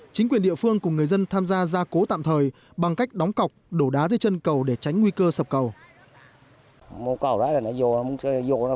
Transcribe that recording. chính quyền địa phương cùng người dân tham gia gia cố tạm thời bằng cách đóng cọc đổ đá dưới chân cầu để tránh nguy cơ sập cầu